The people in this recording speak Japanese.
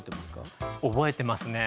覚えてますね。